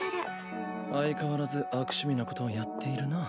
相変わらず悪趣味なことをやっているな。